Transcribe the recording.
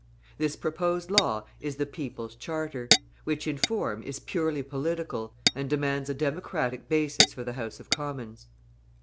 This proposed law is the People's Charter, which in form is purely political, and demands a democratic basis for the House of Commons.